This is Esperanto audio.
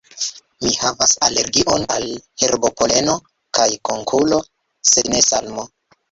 Mi havas alergion al herbopoleno kaj konkulo, sed ne salmo.